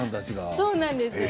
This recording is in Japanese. そうなんです。